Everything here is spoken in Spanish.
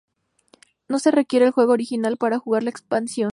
No se requiere el juego original para jugar la expansión.